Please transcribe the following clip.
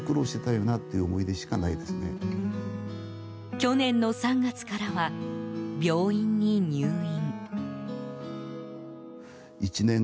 去年の３月からは病院に入院。